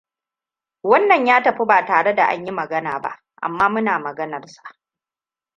Wannan ya tafi batare da an yi magana ba, amma muna maganan sa.